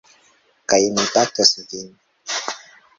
Kaj mi batos vin.